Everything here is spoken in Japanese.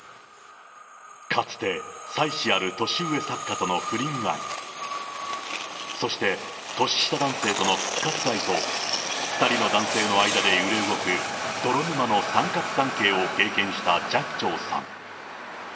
かつて、妻子ある年上作家との不倫愛、そして、年下男性との復活愛と、２人の男性の間で揺れ動く泥沼の三角関係を経験した寂聴さん。